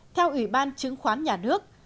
theo ủy ban chứng khoán nhà nước